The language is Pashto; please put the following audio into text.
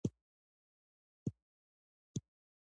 ډرامه باید یووالی وښيي